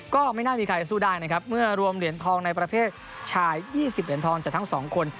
ก็ไม่น่ามีใครจะสู้ได้นะครับเมื่อรวมเหรียญทองในประเภทชาย๒๐เหรียญทองจากทั้งสองคน